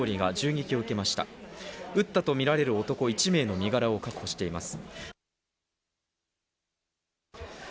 撃ったとみられる男１名の身柄を確保しています。